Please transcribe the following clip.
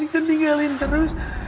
ini kan tinggalin terus